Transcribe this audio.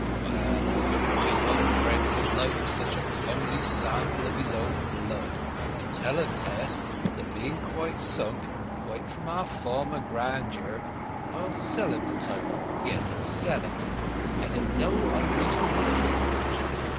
"Well, I hope my young friend will like such a comely sample of his own blood. And tell'n, Tess, that being sunk, quite, from our former grandeur, I'll sell him the title—yes, sell it—and at no onreasonable figure."